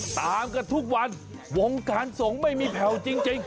ตามกันทุกวันวงการสงฆ์ไม่มีแผ่วจริง